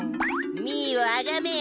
ミーをあがめよ。